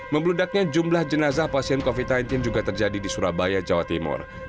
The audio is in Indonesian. membeludaknya jumlah jenazah pasien covid sembilan belas juga terjadi di surabaya jawa timur